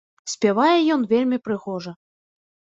Спявае ён вельмі прыгожа.